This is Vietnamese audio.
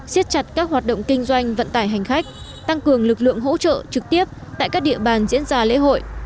xiết chặt các hoạt động kinh doanh vận tải hành khách tăng cường lực lượng hỗ trợ trực tiếp tại các địa bàn diễn ra lễ hội